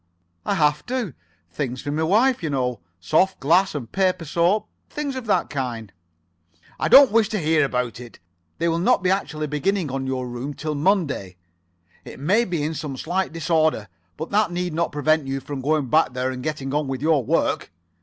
"I have to. Things for my wife, you know. Soft glass and paper soap. Things of that kind." "I don't wish to hear about it. They will not be actually beginning on your room till Monday. It may be in some slight disorder, but that need not prevent you from going back there and getting on with your work.